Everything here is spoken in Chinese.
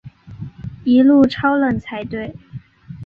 一路超冷才对